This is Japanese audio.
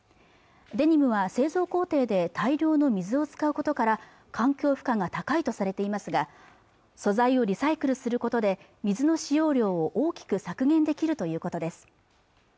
デニムは製造工程で大量の水を使うことから環境負荷が高いとされていますが素材をリサイクルすることで水の使用量を大きく削減できるということです